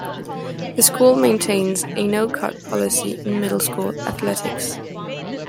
The school maintains a no-cut policy in Middle School athletics.